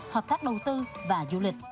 hợp tác đầu tư và du lịch